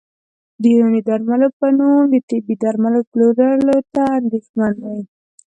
د یوناني درملو په نوم د طبي درملو پلور ته اندېښمن دي